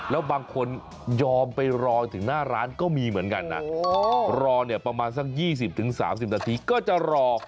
แล้วบางคนยอมไปรอถึงหน้าร้านก็มีเหมือนกันนะรอเนี่ยประมาณสัก๒๐๓๐นาทีก็จะรอ